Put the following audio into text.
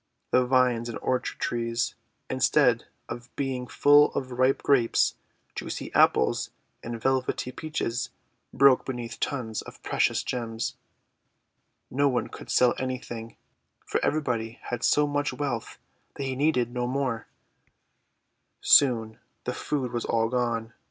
The vines and orchard trees, instead of being full of ripe Grapes, juicy Apples, and velvety Peaches, broke beneath tons of precious gems. No one could sell anything, for everybody had so much wealth that he needed no more. THE WICKED FAIRIES 285 Soon the food was all gone.